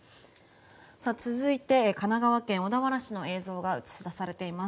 続いて、神奈川県小田原市の映像が映し出されています。